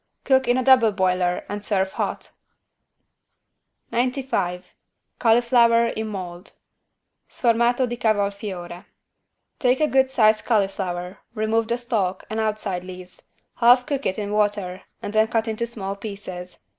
Cook in a double boiler and serve hot. 95 CAULIFLOWER IN MOLD (Sformato di cavolfiore) Take a good sized cauliflower, remove the stalk and outside leaves, half cook it in water and then cut it into small pieces.